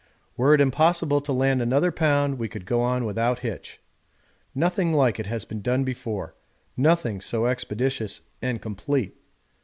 Were it impossible to land another pound we could go on without hitch. Nothing like it has been done before; nothing so expeditious and complete.